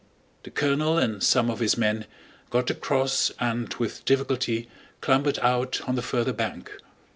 The colonel and some of his men got across and with difficulty clambered out on the further bank.